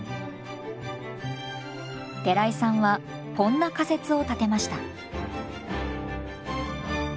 寺井さんはこんな仮説を立てました。